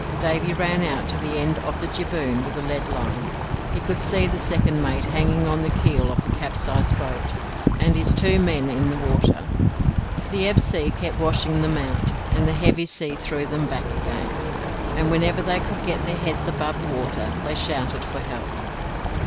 Davy ran out to the end of the jibboom with a lead line. He could see the second mate hanging on to the keel of the capsized boat, and his two men in the water. The ebb sea kept washing them out, and the heavy sea threw them back again, and whenever they could get their heads above water they shouted for help.